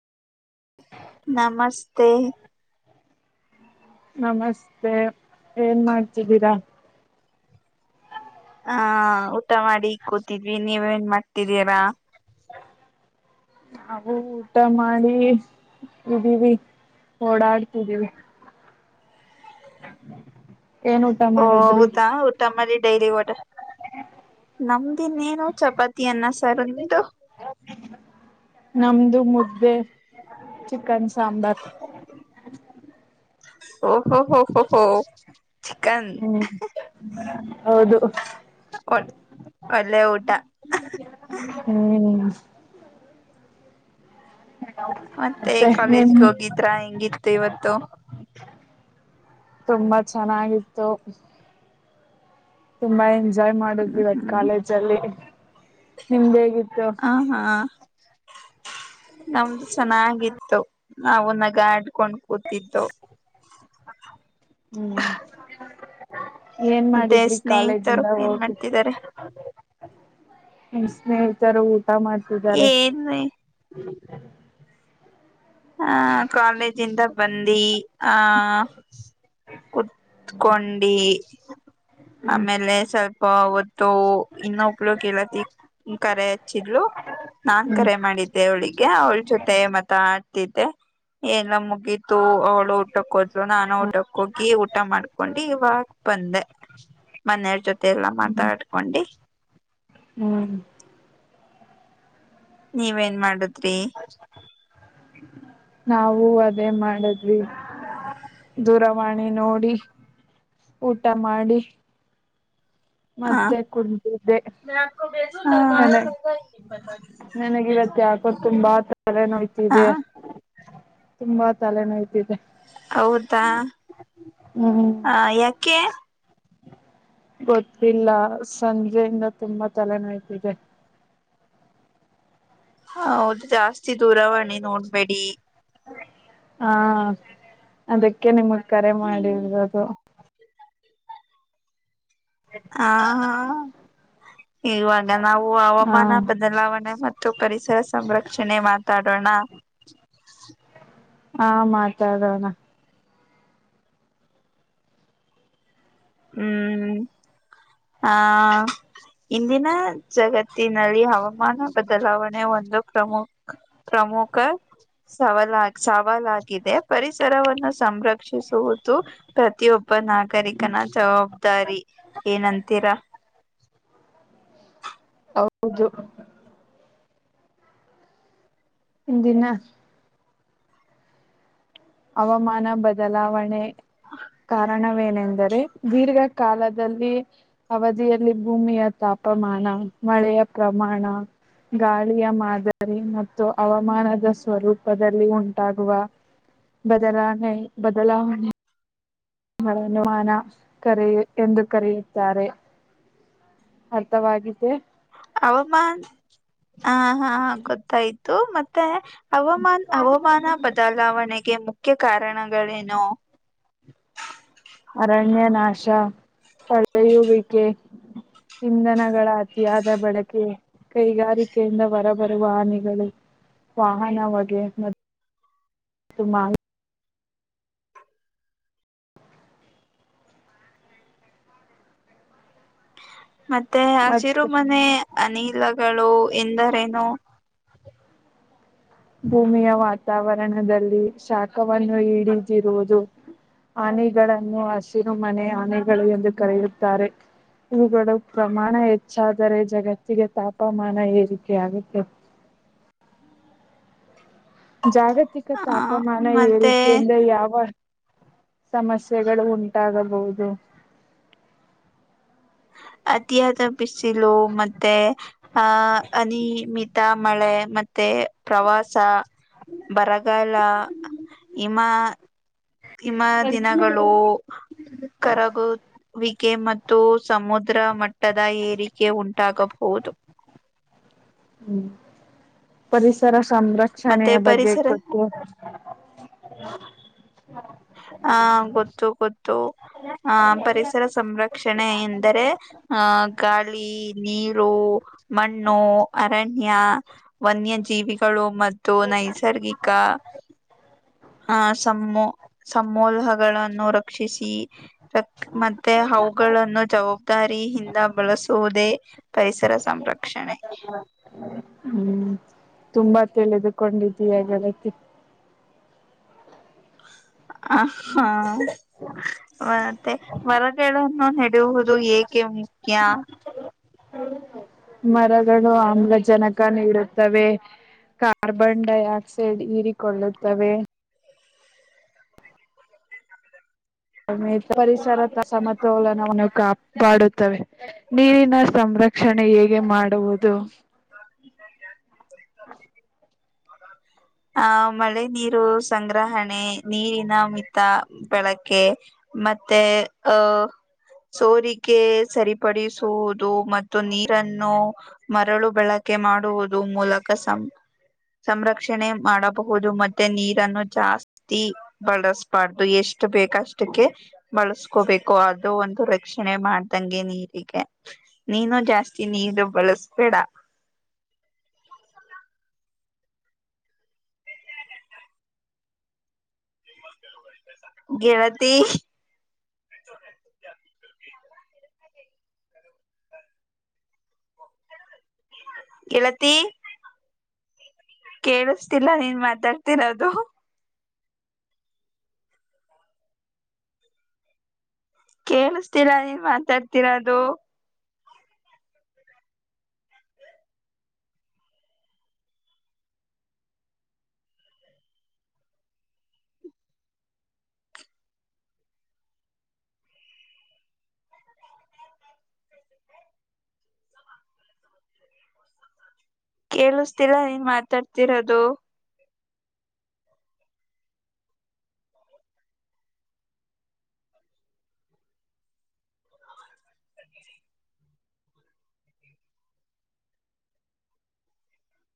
ನಮಸ್ತೆ ನಮಸ್ತೆ ಏನ್ ಮಾಡ್ತಿದ್ದೀರಾ ಹಾ ಊಟ ಮಾಡಿ ಕೂತಿದ್ವಿ ನೀವೇನ್ ಮಾಡ್ತಿದೀರಾ ನವು ಊಟ ಮಾಡಿ ಇದ್ದೀವಿ ಓಡಾಡ್ತಿದ್ದೀವಿ [inaudible] ಓ ಮಾಡಿದ್ರಿ ಹೌದ ಊಟ ಮಾಡ ಡೈರಿ ಒ ನಮ್ದಿನ್ ಏನು ಚಪಾತಿ ಅನ್ನ ಸಾರ ನಿಮ್ದು ನಮ್ದು ಮುದ್ದೆ ಚಿಕನ್ ಸಾಂಬಾರ್ ಹ ಹಾ ಹ ಹ ಹ ಹ್ಮ್ ಹೌದು ಒ ಒಳ್ಳೆ ಊಟ ಹ್ಮ್ ಮತ್ತೆ ಕಾಲೇಜ್ಗೆ ಹೋಗಿದ್ರ ಹೆಿಂಗಿತ್ತು ಇವತ್ತು ತುಂಬಾ ಚೆನ್ನಾಗಿತ್ತು ತುಂಬಾ ಎಂಜಾಯ್ ಮಾಡುದು್ ಹ್ಮ್ ಇವತ್ತು ಹ್ಮ್ ಕಾಲೇಜ ಅಲ್ಲಿ ನಿಮ್ದ ಹೇಗಿತ್ತು ಹ ಹಾ ನಮ್ದು ಚೆನ್ನಾಗಿತ್ತು ನಾವು ನ ಗಾಡು ಕೊಂಡ್ ಕೂತಿದ್ದು ಹ್ಮ್ ಏನ್ ಮತ್ತೆ ಮಾಡಿದ್ರಿ ಸ್ನೇಹಿತರು ಕಾಲೇಜಿಂದ ಏನ್ ಹೋಗಿ ಮಾಡ್ತಿದ್ದಾರೆ ಹ್ಮ ಸ್ನೇಹಿತರು ಊಟ ಮಾಡ್ತಿದ್ದಾರೆ ಏನ್ ಹ್ಮ ಹಹ ಕಾಲೇಜಿಂದ ಬಂದಿ ಆ ಕುತ್ಕೊಂಡಿ ಆಮೇಲೆ ಸ್ವಲ್ಪ ಹೊತ್ತು ಇನ್ನುೂ ಉಪಯೋಗ ಇಲ್ಲತಿ ಕರೆ ಹಚ್ಚಿದ್ಲು ನಾನ್ ಹ್ಮ್ ಕರೆ ಮಾಡಿದ್ದೆ ಅವಳಿಗೆ ಅವಳ ಜೊತೆ ಮತ್ತ ಎಲ್ಲ ಮುಗೀತು ಅವಳು ಊಟಕ್ಕೆೋದ್ರು ನಾನು ಊಟಕ್ಕೆ ಹೋಗಿ ಊಟ ಮಾಡ್ಕೊಂಡು ಇವಾಗ ಬಂದೆ ಮನೆಯರ ಜೊತೆ ಎಲ್ಲಾ ಹ್ಮ್ ಮಾತಾಡ್ಕೊಂಡು ಹ್ಮ್ ನೀವೇನ್ ಮಾಡುದು ನಾವು ಅದೇ ಮಾಡದ್ವಿ ದೂರವಾಣಿ ನೋಡಿ ಊಟ ಮಾಡಿ ಹ ಮತ್ತೆ ಕುಡ್ದಿದ್ದೆ ನನ ನನಗ ಇವತ್ ಯಾಕೋ ತುಂಬಾ ತಲೆ ಹ ನೋಯ್ತಿದೆ ತುಂಬಾ ತಲೆನೋಯತಿದೆ ಹೌದಾ ಹ ಯಾಕೆ ಗೊತ್ತ ತಿಲ್ಲ ಇಲ್ಲ ಸಂಜೆಯಿಂದ ತುಂಬಾ ತಲೆನಾಯತಿದೆ ಹ ಹೌದು ಜಾಸ್ತಿ ದೂರವಣಿ ನೋಡ್ಬೇಡಿ ಹಾ ಅದಕ್ಕೆ ನಿಮಗ್ ಕರೆ ಹ್ಮ್ ಮಾಡಿರೋದು ಹ ಹಾ ಇವಾಗ ನಾವು ಹಾ ಹವಾಮಾನ ಬದಲಾವಣೆ ಮತ್ತು ಪರಿಸರ ಸಂರಕ್ಷಣೆ ಮಾತಾಡೋಣ ಹಾ ಮಾತ್ದಣ ಹ್ಮ್ ಹ ಇಂದಿನ ಜಗತ್ತ ತ್ತಿನಲ್ಲಿ ಹವಾಮಾನ ಬದಲಾವಣೆ ಒಂದು ಪ್ರಮುಖ ಪ್ರಮುಖ ಸವಾಲ ಸವಾಲಾಗಿದೆ ಪರಿಸರವನ್ನು ಸಂರ ರಕ್ಷಿಸುವುದು ಪ್ರತಿಯೊಬ್ಬ ನಾಗರಿಕ ಜವಾಬ್ದಾರಿ ಏನಂತೀರಾ ಹೌದು ಹಿಂದಿನ ಹವಾಮಾನ ಬದಲಾವಣೆ ಕಾರಣ ಏನೆಂದರೆ ದೀರ್ಘಕಾಲದಲ್ಲಿ ಅವಧಿಯಲ್ಲಿ ಭೂಮಿಯ ತಾಪಮಾನ ಮಳೆಯ ಪ್ರಮಾಣ ಗಾಳಿಯ ಮಾದರಿ ಮತ್ತು ಹವಾಮಾನದ ಸ್ವರೂಪದಲ್ಲಿ ಉಂಟಾಗುವ ಬದಲಣ ಬದಲಣ ಗಳನುಮಾನ ಕರ ಎಂದು ಕರೆಯುತ್ತಾರೆ ಅರ್ಥವಾಗಿದೆ ಹವಾಮಾನ್ ಹ ಹಾ ಗೊತ್ತಾಯ್ತು ಮತ್ತೆ ಹವಾಮಾನ್ ಹವಾಮಾನ ಬದಲಾವಣೆಗೆ ಮುಖ್ಯ ಕಾರಣಗಳೇನು ಅ [unintelligible] ಪಳೂ ಬಕ್ಕೆ [unintelligible] ಇಂಧನಗಳ ಅತಿಯಾದ ಬಳಕೆ ಕೈಗಾರಿಕೆಯಿಂದ ಹೊರಬರುವ ಹಾನಿಗಳು ವಾಹನ ಹೋಗೇ ಮತ್ತು ಮಾಲಿ ಮತ್ತೆ ಮತ್ತು ಹಸಿರುಮನೆ ಅನಿಲಗಳು ಎಂದರೇನು [unintelligible] ಭೂಮಿಯ ವಾತಾವರಣದಲ್ಲಿ ಶಾಖವನ್ನು ಹಡಿದಿರುವುದು ಆನೆಗಳನ್ನು ಹಸಿರು ಮನೆ ಆನೆಗಳು ಎಂದು ಕರೆಯುತ್ತಾರೆ ಇವುಗಳು ಪ್ರಮಾಣ ಹೆಚ್ಚಾದರೆ ಜಗತ್ತಿಗೆ ತಾಪಮಾನ ಏರಿ ಕೆ ಆಗುತ್ತ ಜಾಗತಿಕ ಆ ತಾಪಮಾನ ಮತ್ತೆ ಏರಿಕೆಯಿಂದ ಯಾವ ಸಮಸ್ಯೆಗಳು ಉಂಟಾಗಬಹುದು ಅತಿಯಾದ ಬಿಸಿಲು ಮತ್ತೆ ಅಹ್ ಅನಿಯಮಿತ ಮಳೆ ಮತ್ತೆ ಪ್ರವಾಸ ಬರಗಾಲ ಹಿಮಾ ಹಿಮ್ ದಿನಗಳು ಕರಗುವಿಕೆ ಮತ್ತು ಸಮುದ್ರ ಮಟ್ಟದ ಏರಿಕೆ ಉಂಟಾಗಬಹುದು ಹ್ಮ್ ಪರಿಸರ ಸಂರಕ್ಷಣೆಯ ಮತ್ತೆ ಬಗ್ಗೆ ಪರಿಸರ ಗೋತ್ತುು ಹಾ ಗೊತ್ತು ಗೊತ್ತು ಆಹ ಪರಿಸರ ಸಂರಕ್ಷಣೆ ಎಂದರೆ ಆಹ ಗಾಳಿ ನೀರು ಮಣ್ಣು ಅರಣ್ಯ ವನ್ಯಜೀವಿಗಳು ಮತ್ತು ನೈಸರ್ಗಿಕ ಹ ಸಮೋ ಸಮೋಲ್ಹಗಳಗಳನ್ನುೂ ರ ರಕ್ಷಿಸಿ ಮತ್ತೆ ಅವುಗಳನ್ನು ಜವಾಬ್ದಾರಿಯಿಂದ ಬಳಸುವುದೇ ಪರಿಸರ ಸಂರಕ್ಷಣೆ ಹ್ಮ್ ತುಂಬಾ ತಿಳಿದುಕೊಂಡಿದಿಯ ಗೆಳತಿ [inaudible] ಆ ಹಾ [inaudible] ಮತ್ತೆ ಮರಗಳನ್ನು ನೆಡುವುದು ಏಕೆ ಮುಖ್ಯ ಮರಗಳು ಆಮ್ಲಜನಕ ನೀಡುತ್ತವೆ ಕಾರ್ಬನ್ ಡೈಆಕ್ಸೈಡ್ ಹೀರಿಕೊಳ್ಳುತ್ತವೆ ಸಮೇ ಪರಿಸರ ಸಮತೋಲನವನ್ನು ಕಾಪಾಡುತ್ತವೆ ನೀರಿನ ಸಮತೋಲನ ರಕ್ಷಣೆ ಹೇಗೆ ಮಾಡುವುದು [unintelligible] [unintelligible] ಆ ಮಳೆ ನೀರು ಸಂಗ್ರಹಣೆ ನೀರಿನ ಮಿತ ಬೆಳಕೆ, ಮತ್ತೆ ಅ ಹ, ಸೋರಿಕೆ ಸರಿಪಡಿಸುವುದು ಮತ್ತು ನೀರನ್ನು ಮರಳು ಬಳಕೆ, ಕೆ ಮಾಡುವುದು ಮೂಲಕ ಸಂಗ ಸಂರಕ್ಷಣೆ ಮಾಡಬಹುದು ಮತ್ತೆ ನೀರನ್ನು ಜಾಸ್ತಿ ಬಳಸಬಾರದು ಎಷ್ಟು, ಎಷ್ಟು ಬೇಕ ಅಷ್ಟಕೆ ಬಳಸ್ಕೋಬೇಕು ಅದು ಒಂದು ರಕ್ಷಣೆ ಮಾಡದಂಗೆ ನೀರಿಗೆ, ನೀನು ಜಾಸ್ತಿ ನೀರು ಬಳಸಬೇಡ, ಗೆಳತಿ, [unintelligible] ಗೆಳತಿ, ಕೇಳಸತ್ತಿಲ್ಲ ನೀನ್ ಮಾತಾಡ್ತ ಇರೋದು, ಕೇಳಸ್ತೀಲ್ಲ ನೀನ್ ಮಾತಾಡ್ತೀರದು, ಕೇಳಿಸತಿಲ್ಲ ನೀನ್ ಮಾತಡತ ಇರೋದು,